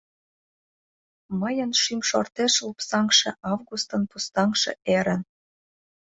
Мыйын шӱм шортеш Лупсаҥше августын пустаҥше эрын.